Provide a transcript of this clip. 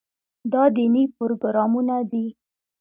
دا دیني پروګرامونه دي.